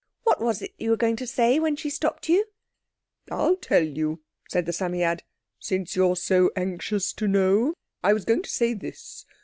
What was it you were going to say when she stopped you?" "I'll tell you," said the Psammead, "since you're so anxious to know. I was going to say this.